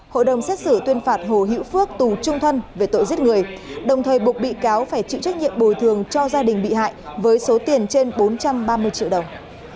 hội đồng xét xử tuyên phạt hồ hữu phước tù trung thân về tội giết người đồng thời buộc bị cáo phải chịu trách nhiệm bồi thường cho gia đình bị hại với số tiền trên bốn trăm ba mươi triệu đồng